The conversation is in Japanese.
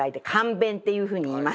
便っていうふうに言います。